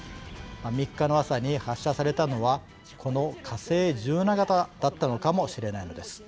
３日の朝に発射されたのはこの火星１７型だったのかもしれないのです。